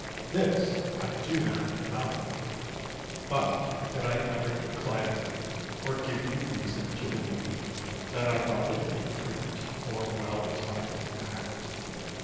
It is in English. This I do not deny; but did I ever declare, or give you reason to believe, that I thought it a prudent or well timed act?